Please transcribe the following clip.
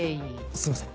すいません。